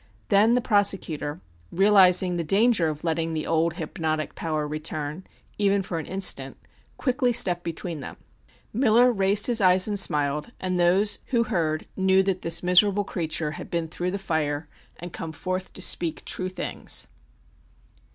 Then the prosecutor, realizing the danger of letting the old hypnotic power return, even for an instant, quickly stepped between them. Miller raised his eyes and smiled, and those who heard knew that this miserable creature had been through the fire and come forth to speak true things.